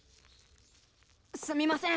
すみません！